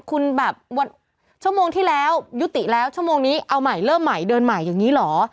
คุณแบบชั่วโมงที่แล้วยุติแล้วชั่วโมงนี้เอาใหม่เริ่มใหม่เดินใหม่อย่างนี้เหรอ